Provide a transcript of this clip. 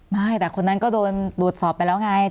ไม่แต่คนนั้นก็โดนตรวจสอบไปแล้วไง